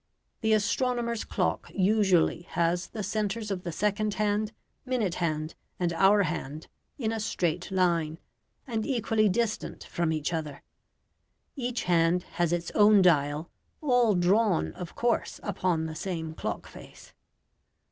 The astronomer's clock usually has the centres of the second hand, minute hand, and hour hand in a straight line, and equally distant from each other. Each hand has its own dial; all drawn, of course, upon the same clock face.